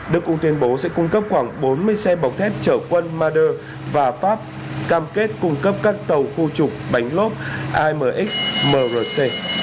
được cũng tuyên bố sẽ cung cấp khoảng bốn mươi xe bọc thép trợ quân marder và pháp cam kết cung cấp các tàu khu trục bánh lốt amx mrc